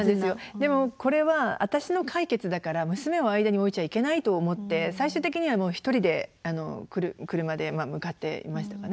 でもこれは私の解決だから娘を間に置いちゃいけないと思って最終的には一人で車で向かっていましたかね